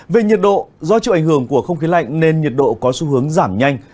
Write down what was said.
về nhiệt độ do chịu ảnh hưởng của không khí lạnh nên nhiệt độ có xu hướng giảm nhanh